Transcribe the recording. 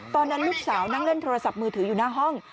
ตอนนั้นลูกสาวนั่งเล่นโทรศัพท์มือถืออยู่หน้าห้อง